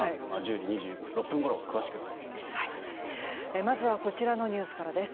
１０時２６分ごろ詳しくお伝えしていきます。